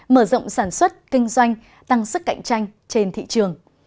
mở rộng sản xuất kinh doanh tăng sức cạnh tranh trên thị trường